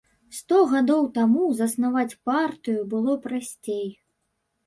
Сто гадоў таму заснаваць партыю было прасцей.